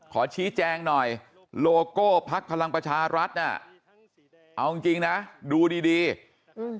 ขอชี้แจงหน่อยโลโก้พักพลังประชารัฐน่ะเอาจริงจริงนะดูดีดีอืม